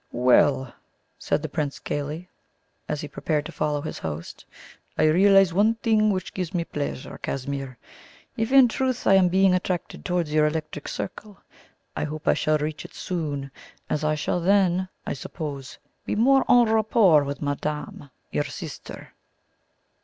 "Well," said the Prince gaily, as he prepared to follow his host, "I realize one thing which gives me pleasure, Casimir. If in truth I am being attracted towards your electric circle, I hope I shall reach it soon, as I shall then, I suppose, be more en rapport with madame, your sister."